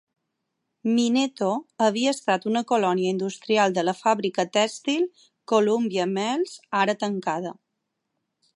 Minetto havia estat una colònia industrial de la fàbrica tèxtil Columbia Mills, ara tancada.